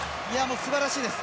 すばらしいです。